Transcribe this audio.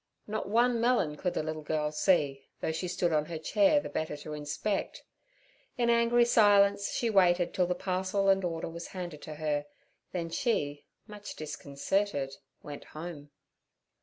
Not one melon could the little girl see, though she stood on her chair the better to inspect. In angry silence she waited till the parcel and order was handed to her, then she, much disconcerted, went home.